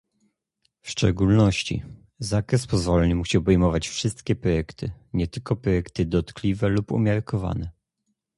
W szczególności, zakres pozwoleń musi obejmować wszystkie projekty, nie tylko projekty "dotkliwe" lub "umiarkowane"